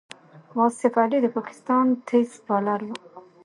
واصف علي د پاکستان تېز بالر وو.